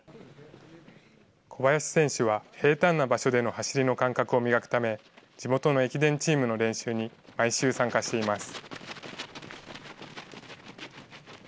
小林選手は平たんな場所での走りの感覚を磨くため、地元の駅伝チームの練習に毎週参加しています。